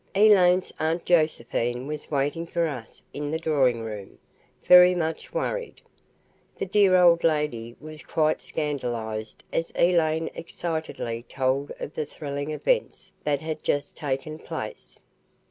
Elaine's Aunt Josephine was waiting for us in the drawing room, very much worried. The dear old lady was quite scandalized as Elaine excitedly told of the thrilling events that had just taken place.